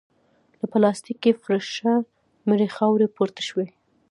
له پلاستيکي فرشه مړې خاورې پورته شوې.